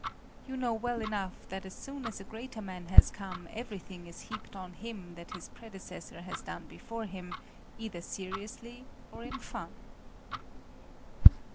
You know well enough that as soon as a greater man has come, everything is heaped on him that his predecessor has done before him, either seriously or in fun.